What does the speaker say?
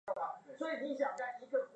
台東大橋